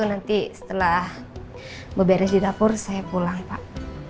nanti setelah berberes di dapur saya pulang pak